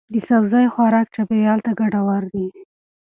د سبزی خوراک چاپیریال ته ګټور دی.